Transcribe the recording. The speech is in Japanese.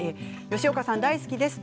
吉岡さん大好きです。